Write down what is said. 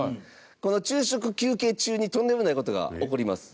この昼食休憩中にとんでもない事が起こります。